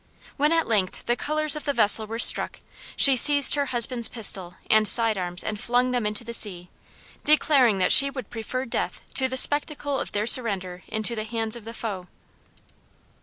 When at length the colors of the vessel were struck, she seized her husband's pistol and side arms and flung them into the sea, declaring that she would prefer death to the spectacle of their surrender into the hands of the foe.